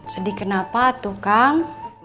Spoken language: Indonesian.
sedih kenapa tuh kang